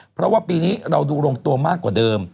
เพราะว่าปีนี้เราดูลงตัวมากกว่าเดิม